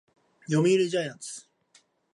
読売ジャイアンツ